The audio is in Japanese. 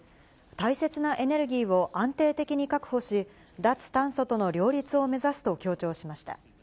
大切なエネルギーを安定的に確保し、脱炭素との両立を目指すと強調しました。